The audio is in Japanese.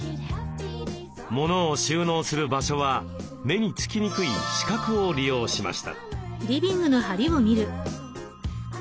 モノを収納する場所は目につきにくい死角を利用しました。